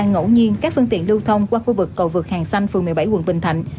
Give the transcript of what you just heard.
ngẫu nhiên các phương tiện lưu thông qua khu vực cầu vượt hàng xanh phường một mươi bảy quận bình thạnh